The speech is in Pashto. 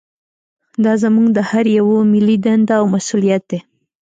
دا زموږ د هر یوه ملي دنده او مسوولیت دی